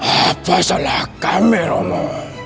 apa salah kameramu